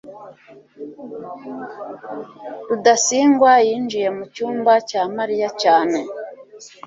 rudasingwa yinjiye mu cyumba cya mariya cyane